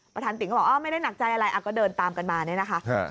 ติ๋มก็บอกไม่ได้หนักใจอะไรก็เดินตามกันมาเนี่ยนะคะ